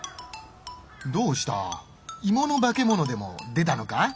どうした？芋の化け物でも出たのか？